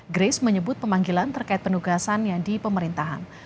grace menyebut pemanggilan terkait penugasannya di pemerintahan